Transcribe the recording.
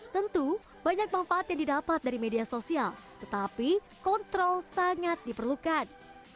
tentu banyak manfaat yang didapat dari media sosial tetapi kontrol sangat diperlukan